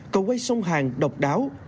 cầu quay sông hàng độc đáo